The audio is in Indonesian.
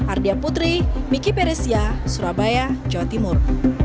ardia putri miki peresia surabaya jawa timur